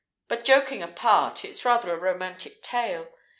But joking apart, it's rather a romantic tale.